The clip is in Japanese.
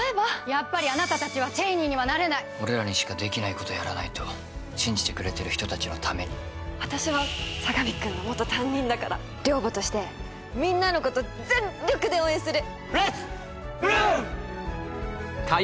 やっぱりあなた達はＣＨＡＹＮＥＹにはなれない俺らにしかできないことやらないと信じてくれてる人達のために私は佐神くんの元担任だから寮母としてみんなのこと全力で応援するＬｅｔ’ｓ８ＬＯＯＭ